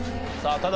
ただ